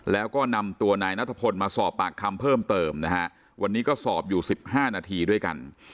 แล้วก็นำตัวนายนัทพลมาสอบปากคำเพิ่มเติมนะฮะวันนี้ก็สอบอยู่๑๕นาทีด้วยกัน